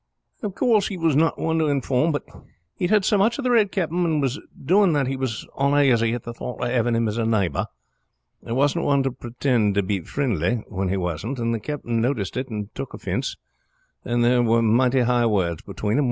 Av coorse he was not one to inform, but he had heard so much of the Red Captain and his doings that he was onaisy at the thought of having him as a neighbor. He wasn't one to pretind to be frindly when he wasn't, and the captain noticed it and took offince, and there were mighty high words between them.